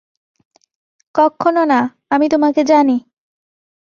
কক্ষনো না, আমি তোমাকে জানি।